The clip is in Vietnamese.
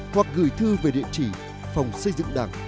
hoặc gửi thư về địa chỉ phòng xây dựng đảng